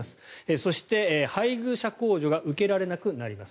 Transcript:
そして、配偶者控除が受けられなくなります。